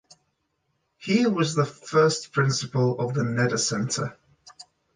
He was the first principal of the Nettur centre.